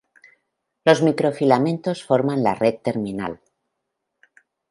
Los microfilamentos forman la red terminal.